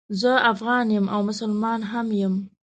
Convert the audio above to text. زه افغان یم او مسلمان هم یم